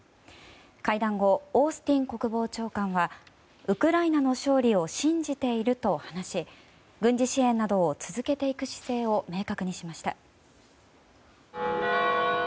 会談後、オースティン国防長官はウクライナの勝利を信じていると話し軍事支援などを続けていく姿勢を明確にしました。